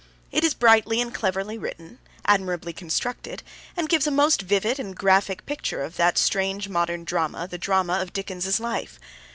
It is brightly and cleverly written, admirably constructed, and gives a most vivid and graphic picture of that strange modern drama, the drama of Dickens's life.